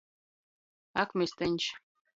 Akmisteņš.